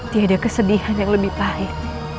tiada kesedihan yang lebih pahit